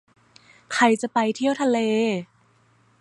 ใครจะไปเที่ยวทะเล